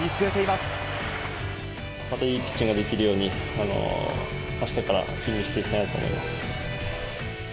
またいいピッチングができるように、あしたから準備していきたいと思います。